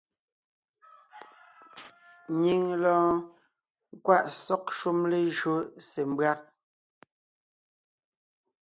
Nyìŋ lɔɔn nkwaʼ sɔ́g shúm lejÿó se mbÿág.